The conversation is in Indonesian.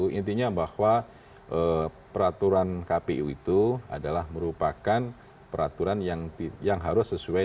intinya bahwa peraturan kpu itu adalah merupakan peraturan yang harus sesuai